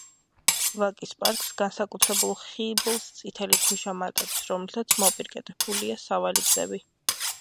ვაკის პარკს განსაკუთრებულ ხიბლს წითელი ქვიშა მატებს, რომლითაც მოპირკეთებულია სავალი გზები.